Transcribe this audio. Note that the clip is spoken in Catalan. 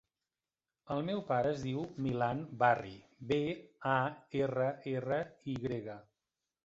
El meu pare es diu Milan Barry: be, a, erra, erra, i grega.